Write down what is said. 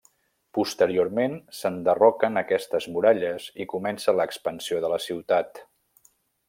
Posteriorment s'enderroquen aquestes muralles i comença l'expansió de la ciutat.